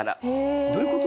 どういうこと？